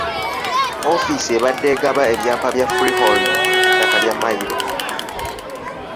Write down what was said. Ofiisi ebadde egaba ebyapa bya freehold ku ttaka lya Mmayiro.